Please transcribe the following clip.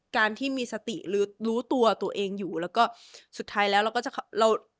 การที่มีสติหรือรู้ตัวตัวเองอยู่แล้วก็สุดท้ายแล้วเราก็จะเรา